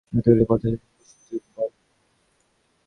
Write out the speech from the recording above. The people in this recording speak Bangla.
অন্তঃপুর হইতে বাহির হইবার যতগুলি পথ আছে সমস্তই বন্ধ।